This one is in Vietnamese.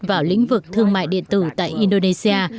vào lĩnh vực thương mại điện tử tại indonesia